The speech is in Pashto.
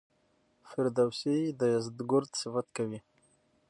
فردوسي د یزدګُرد صفت کوي.